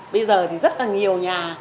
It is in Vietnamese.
bây giờ thì rất là nhiều nhà